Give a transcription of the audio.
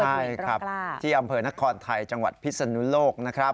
ใช่ครับที่อำเภอนครไทยจังหวัดพิศนุโลกนะครับ